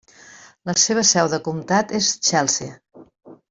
La seva seu de comtat és Chelsea.